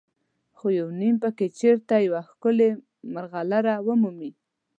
خو یو نیم پکې چېرته یوه ښکلې مرغلره ومومي.